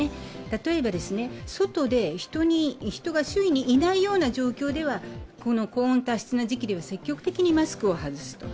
例えば、外で人が周囲にいないような状況では高温多湿な時期では積極的にマスクを外すと。